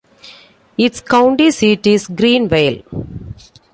Its county seat is Greenville.